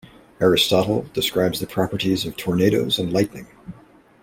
Aristotle describes the properties of tornadoes and lightning.